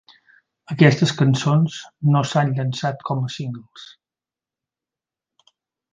Aquestes cançons no s"han llançat com a singles.